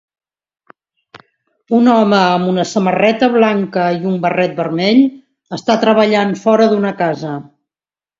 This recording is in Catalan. Un home amb una samarreta blanca i un barret vermell està treballant fora d'una casa.